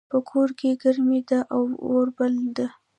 په کور کې ګرمي ده او اور بل ده